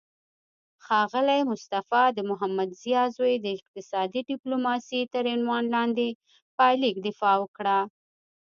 ښاغلی مصطفی د محمدضیا زوی د اقتصادي ډیپلوماسي تر عنوان لاندې پایلیک دفاع وکړه